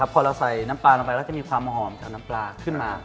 พอเราใส่น้ำปลาลงไปแล้วจะมีความหอมจากน้ำปลาขึ้นมา